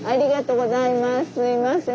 すいません。